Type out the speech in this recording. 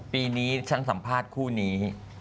ปีนี้ฉันสัมภาษณ์คู่นี้